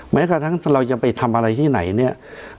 แม้กระทั่งเราจะไปทำอะไรที่ไหนเนี่ย